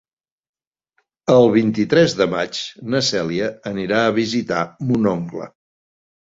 El vint-i-tres de maig na Cèlia anirà a visitar mon oncle.